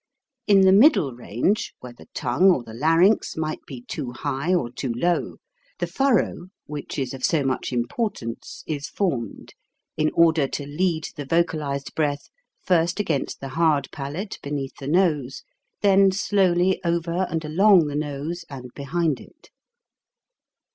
In the middle range, where the tongue or the larynx might be too high or too low, the furrow, which is of so much importance, is formed, in order to lead the vocalized breath first against the hard palate beneath the nose, then slowly over and along the nose and behind it.